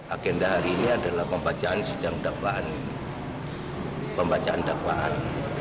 agenda hari ini adalah pembacaan sidang pembacaan dakwaan